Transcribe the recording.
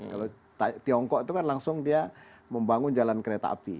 kalau tiongkok itu kan langsung dia membangun jalan kereta api